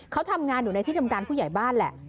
เขาทำงานอยู่ในที่ทำการผู้ใหญ่บ้านแหละ